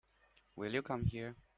Will you come here?